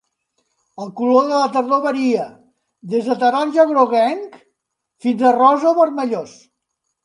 El color de la tardor varia, des de taronja groguenc fins a rosa o vermellós.